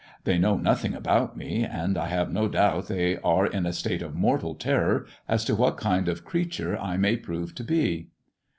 They know nothing about me, and I have no doubt they are in a state of mortal terror as to what kind of creature I may prove to be."